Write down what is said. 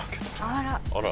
あら。